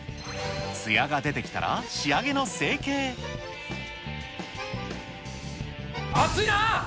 つやが出てきたら仕上げの成熱いな！